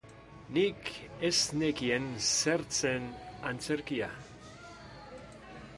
Nik ez nakien zer zen antzerkia!